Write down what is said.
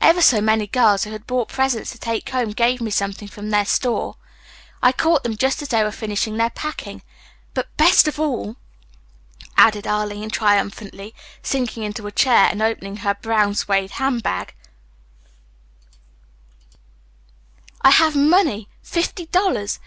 Ever so many girls who had bought presents to take home gave me something from their store. I caught them just as they were finishing their packing. But, best of all," added Arline triumphantly, sinking into a chair and opening her brown suede handbag, "I have money fifty dollars!